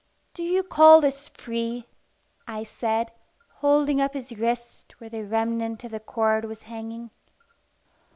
"Do you call this free?" I said, holding up his wrist where the remnant of the cord was hanging.